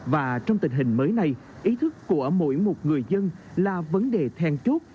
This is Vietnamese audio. và trong tình hình mới này ý thức của mỗi một người dân là vấn đề then chốt